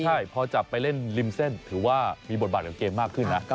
ใช่พอจับไปเล่นริมเส้นถือว่ามีบทบาทกับเกมมากขึ้นนะ